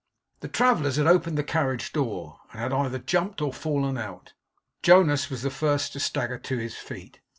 The travellers had opened the carriage door, and had either jumped or fallen out. Jonas was the first to stagger to his feet.